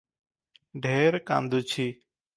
ଢେର କାନ୍ଦୁଛି ।